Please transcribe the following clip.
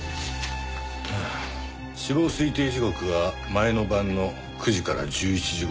死亡推定時刻は前の晩の９時から１１時頃か。